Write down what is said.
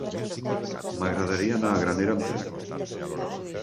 M'agradaria anar a Granera amb tren.